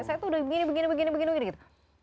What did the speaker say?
saya tuh udah begini begini gitu